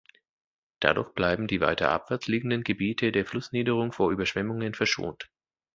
Dadurch bleiben die weiter abwärts liegenden Gebiete der Flussniederung vor Überschwemmungen verschont.